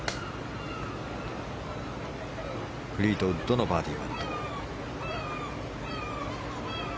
フリートウッドのバーディーパット。